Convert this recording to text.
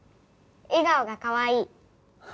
笑顔がかわいい。